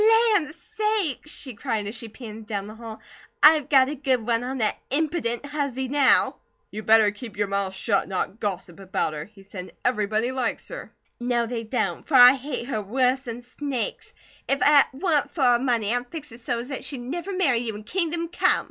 "Land sakes!" she cried as she panted down the hall. "I've got a good one on that impident huzzy now!" "You better keep your mouth shut, and not gossip about her," he said. "Everyone likes her!" "No, they don't, for I hate her worse 'n snakes! If it wa'n't for her money I'd fix her so's 'at she'd never marry you in kingdom come."